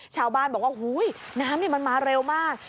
ชาวบ้านบอกว่าน้ำมันมาเร็วมาก